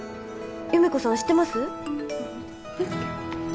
優芽子さん知ってます？